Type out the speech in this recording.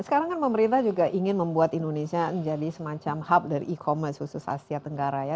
sekarang kan pemerintah juga ingin membuat indonesia menjadi semacam hub dari e commerce khusus asia tenggara ya